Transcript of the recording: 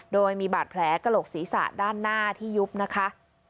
โดยมีบาดแผลกระโหลกศีรษะด้านหน้าที่ยุบนะคะ